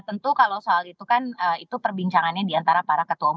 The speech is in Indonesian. tentu kalau soal itu kan itu perbincangannya diantara para ketua umum